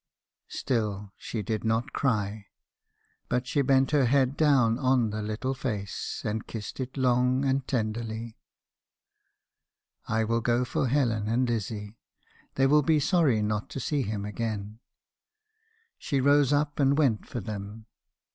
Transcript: " Still she did not cry. But she bent her head down on the little face, and kissed it long, and tenderly. u 'I will go for Helen and Lizzie. They will be sorry not to see him again.' She rose up and went for them.